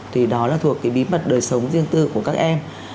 thì đó là thuộc cái bí mật đời sống riêng tư của các em